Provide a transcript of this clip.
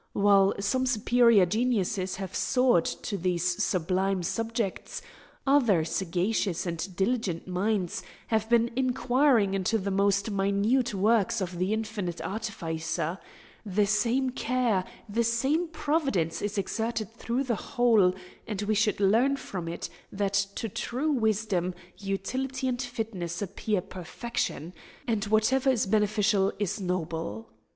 While some superior geniuses have soared to these sublime subjects, other sagacious and diligent minds have been inquiring into the most minute works of the Infinite Artificer; the same care, the same providence is exerted through the whole, and we should learn from it that to true wisdom utility and fitness appear perfection, and whatever is beneficial is noble.